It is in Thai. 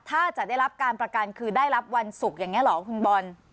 ถ้าจะได้รับการประกันคือได้รับวันศุกร์อย่างนี้เหรอคุณบอล